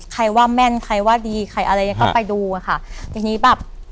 ใครว่าแม่นใครว่าดีใครอะไรยังไงก็ไปดูอ่ะค่ะทีนี้แบบ